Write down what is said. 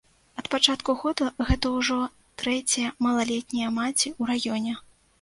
Ад пачатку года гэта ўжо трэцяя малалетняя маці ў раёне.